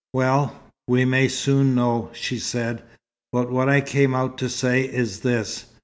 "Well, we may soon know," she said. "But what I came out to say, is this.